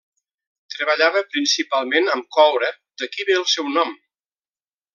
Treballava principalment amb coure, d'aquí ve el seu nom.